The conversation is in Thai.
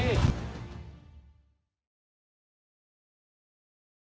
รถแข่งสนในกระบะมันไม่เข้าหมด